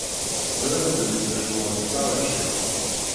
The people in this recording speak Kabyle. Ẓriɣ belli tejjmeḍ Dda Racid.